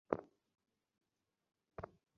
তাতে আপত্তি নেই আমার।